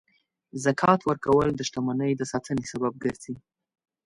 زکات ورکول د شتمنۍ د ساتنې سبب ګرځي.